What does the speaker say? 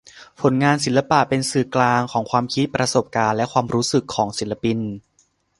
ผลงานศิลปะเป็นสื่อกลางของ ความคิด ประสบการณ์ และ ความรู้สึกของศิลปิน